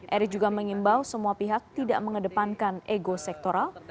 erick juga mengimbau semua pihak tidak mengedepankan ego sektoral